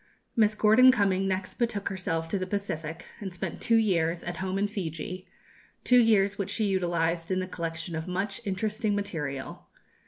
Miss Gordon Cumming next betook herself to the Pacific, and spent two years "at Home in Fiji;" two years which she utilized in the collection of much interesting material.